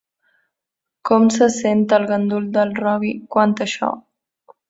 Com se sent el gandul del Robbie quant a això?